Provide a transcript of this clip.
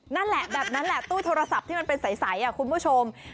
นั่นแหละแบบนั้นแหละตู้โทรศัพท์ที่มันเป็นใสคุณผู้ชม